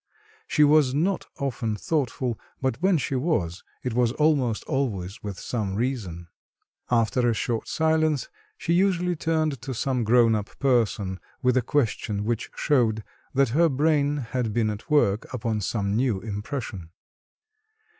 She was not often thoughtful, but when she was, it was almost always with some reason. After a short silence, she usually turned to some grown up person with a question which showed that her brain had been at work upon some new impression.